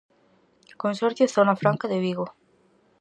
Consorcio Zona Franca de Vigo.